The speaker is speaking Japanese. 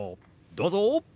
どうぞ！